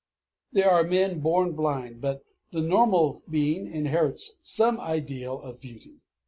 There are men born blind; but the normal being inherits some ideal of beauty.